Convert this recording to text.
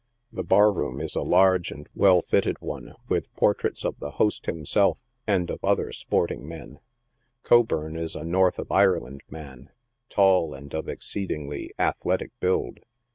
The bar room is a large and well fitted one, 86 NIGHT SIDE OF NEW YORK. with portraits of the host himself, and of other sporting men. Co burn is a north of Ireland man, tall, and of exceedingly athletic build.